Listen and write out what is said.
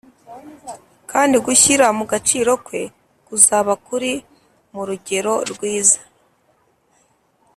kandi gushyira mu gaciro kwe kuzaba kuri mu rugero rwiza